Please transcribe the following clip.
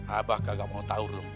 abah gak mau tau ruh